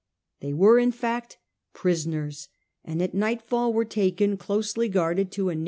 They were in fact prisoners, and at nightfall were taken, closely guarded, to a neigh C.